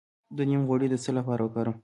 د نیم غوړي د څه لپاره وکاروم؟